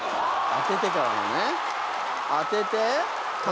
「当ててからの」